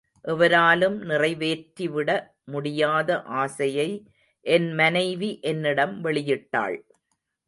எவராலும் நிறைவேற்றிவிட முடியாத ஆசையை என் மனைவி என்னிடம் வெளியிட்டாள்.